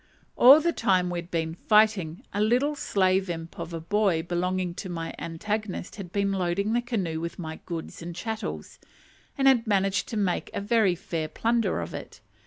All the time we had been fighting, a little slave imp of a boy belonging to my antagonist had been loading the canoe with my goods and chattels, and had managed to make a very fair plunder of it.